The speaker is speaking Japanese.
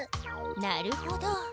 なるほど。